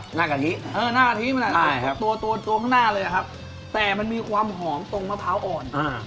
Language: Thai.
หน้ากะทิเออหน้ากะทิมันแหละใช่ครับตัวตัวตรงข้างหน้าเลยอ่ะครับแต่มันมีความหอมตรงมะพร้าวอ่อนอ่า